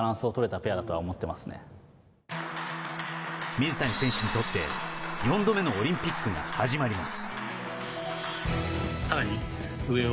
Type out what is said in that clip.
水谷選手にとって４度目のオリンピックが始まります。